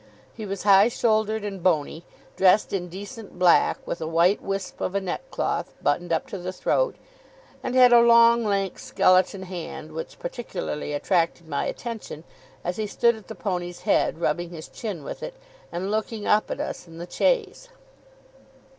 He was high shouldered and bony; dressed in decent black, with a white wisp of a neckcloth; buttoned up to the throat; and had a long, lank, skeleton hand, which particularly attracted my attention, as he stood at the pony's head, rubbing his chin with it, and looking up at us in the chaise.